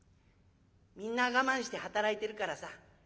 みんな我慢して働いているからさ